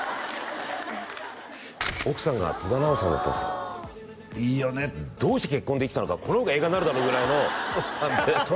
奥さんが戸田菜穂さんだったんですよいいよねどうして結婚できたのかこの方が映画になるだろぐらいの奥さん